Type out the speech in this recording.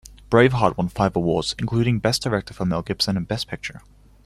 "Braveheart" won five awards, including Best Director for Mel Gibson and Best Picture.